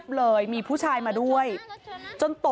กลุ่มวัยรุ่นฝั่งพระแดง